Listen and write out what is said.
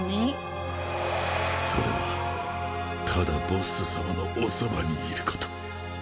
それはただボッス様のおそばにいること。